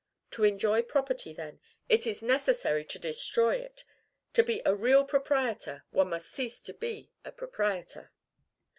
To enjoy property, then, it is necessary to destroy it; to be a real proprietor, one must cease to be a proprietor.